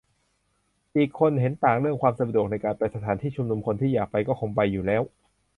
อีกคนเห็นต่างเรื่องความสะดวกในการไปสถานที่ชุมนุม คนที่อยากไปก็คงไปอยู่แล้ว